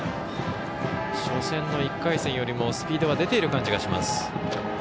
初戦の１回戦よりもスピードが出ている感じがします。